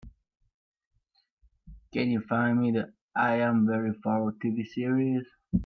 Can you find me the I Am Very Far TV series?